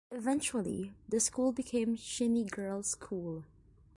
Eventually the school became Cheney Girls' School.